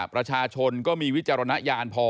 ประชาชนก็มีวิจารณญาณพอ